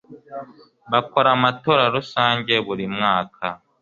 Bakora amatora rusange buri mwaka.